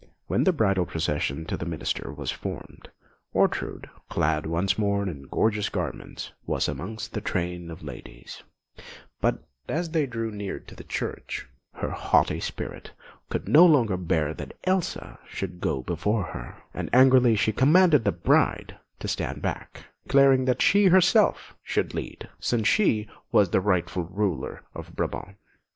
When the bridal procession to the Minster was formed, Ortrud, clad once more in gorgeous garments, was amongst the train of ladies; but as they drew near to the church, her haughty spirit could no longer bear that Elsa should go before her, and angrily she commanded the bride to stand back, declaring that she herself should lead, since she was the rightful ruler of Brabant.